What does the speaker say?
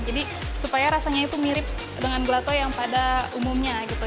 jadi supaya rasanya itu mirip dengan gelato yang pada umumnya gitu